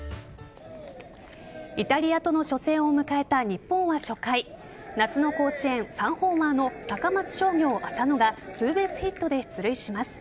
イタリアとの初戦を迎えた日本は初回夏の甲子園３ホーマーの高松商業・浅野がツーベースヒットで出塁します。